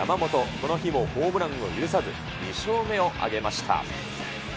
この日もホームランを許さず、２勝目を挙げました。